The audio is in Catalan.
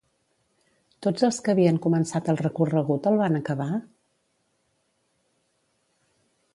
Tots els que havien començat el recorregut el van acabar?